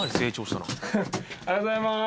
おはようございます！